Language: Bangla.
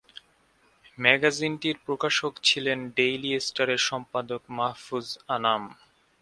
ম্যাগাজিনটির প্রকাশক ছিলেন ডেইলি স্টারের সম্পাদক মাহফুজ আনাম।